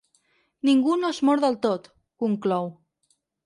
Ningú no es mor del tot, conclou.